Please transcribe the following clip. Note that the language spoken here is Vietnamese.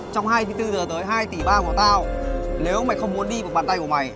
trong hai mươi bốn h tới hai tỷ ba của tao nếu mày không muốn đi bằng bàn tay của mày